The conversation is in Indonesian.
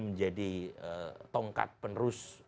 menjadi tongkat penerus